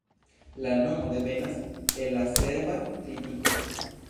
La nomo devenas el la serba tritiko.